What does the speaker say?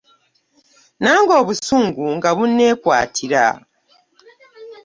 Nange obusungu nga bunneekwatira.